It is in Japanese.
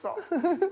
フフフ。